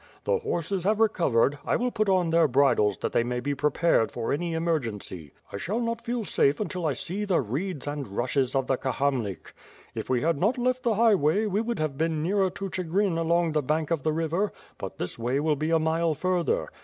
The horses have re covered; I will put on their bridles, that they may be prepared for any emergency. I shall not feel safe until I sec the reeds and rushes of the Kahamlik. If we had not left the highway, we would have been nearer to Chigrin along the bank of the river; but this way will be a mile further.